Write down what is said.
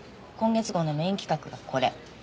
今月号のメイン企画がこれ。